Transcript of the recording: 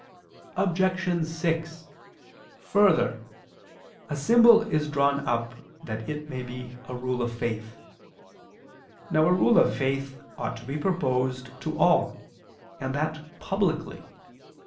Obj. 6: Further, a symbol is drawn up that it may be a rule of faith. Now a rule of faith ought to be proposed to all, and that publicly.